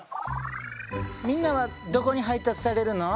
みんなはどこに配達されるの？